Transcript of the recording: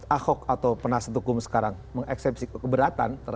ahok atau penasihat hukum sekarang mengeksepsi keberatan